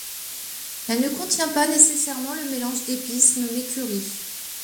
Elle ne contient pas nécessairement le mélange d'épices nommé curry.